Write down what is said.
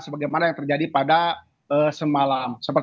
sebagaimana yang terjadi pada semalam